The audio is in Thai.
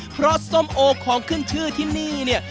เพราะส้มโอของขึ้นชื่อที่นี่เนี่ย